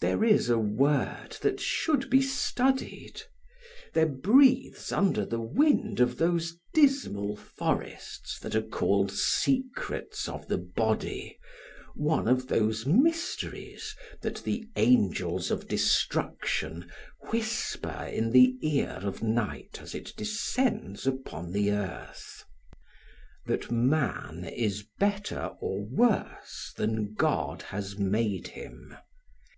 "There is a word that should be studied. There breathes under the wind of those dismal forests that are called secrets of the body, one of those mysteries that the angels of destruction whisper in the ear of night as it descends upon the earth. That man is better or worse than God has made him.